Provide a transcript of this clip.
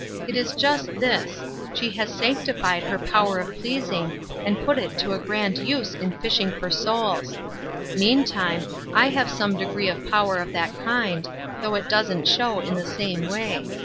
It is just this: she has sanctified her power of pleasing, and put it to a grand use in fishing for souls. Meantime, I have some degree of power of that kind, though it doesn't show in the same way.